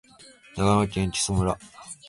長野県木祖村